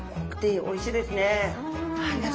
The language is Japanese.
おいしいですね。